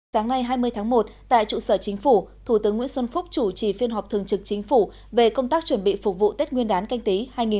sáng nay hai mươi tháng một tại trụ sở chính phủ thủ tướng nguyễn xuân phúc chủ trì phiên họp thường trực chính phủ về công tác chuẩn bị phục vụ tết nguyên đán canh tí hai nghìn hai mươi